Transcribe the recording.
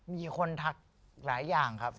มีคนทักหลายอย่างครับ